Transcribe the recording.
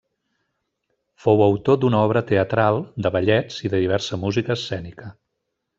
Fou autor d'una obra teatral, de ballets i de diversa música escènica.